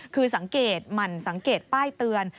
คือสังเกตหมั่นสังเกตป้ายเตือน